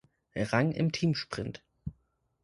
Rang im Teamsprint.